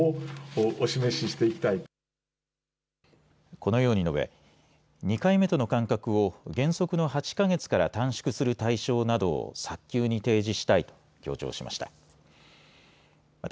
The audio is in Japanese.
このように述べ２回目との間隔を原則の８か月から短縮する対象などを早急に提示したいと強調しました。